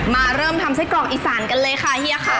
เริ่มทำไส้กรอกอีสานกันเลยค่ะเฮียค่ะ